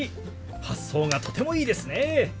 発想がとてもいいですね。